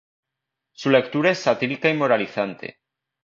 Su lectura es satírica y moralizante.